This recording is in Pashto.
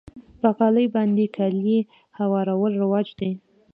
په غالۍ باندې کالي هوارول رواج دی.